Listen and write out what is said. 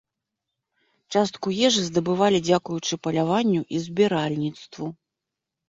Частку ежы здабывалі дзякуючы паляванню і збіральніцтву.